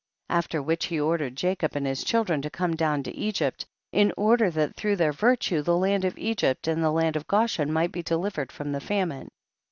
39. After which he ordered Jacob and his children to come down to Egypt, in order that through their virtue, the land of Egypt and the land of Goshen might be delivered from the famine.